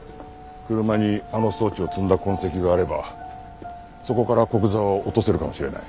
車にあの装置を積んだ痕跡があればそこから古久沢を落とせるかもしれない。